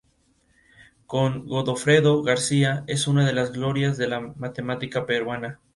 Con Godofredo García, es una de las glorias de la matemática peruana.